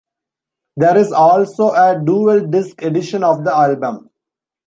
There is also a DualDisc edition of the album.